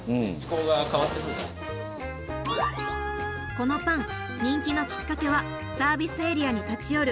このパン人気のきっかけはサービスエリアに立ち寄る